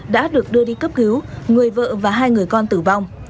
đã được đưa đi cấp cứu người vợ và hai người con tử vong